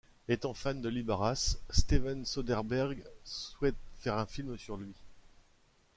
Étant fan de Liberace, Steven Soderbergh souhaite faire un film sur lui.